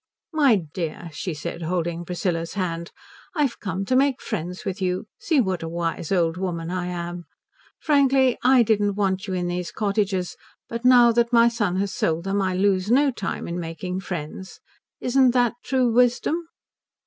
"My dear," she said, holding Priscilla's hand, "I've come to make friends with you. See what a wise old woman I am. Frankly, I didn't want you in those cottages, but now that my son has sold them I lose no time in making friends. Isn't that true wisdom?"